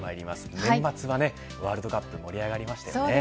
年末はワールドカップ盛り上がりましたよね。